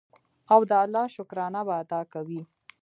او د الله شکرانه به ادا کوي.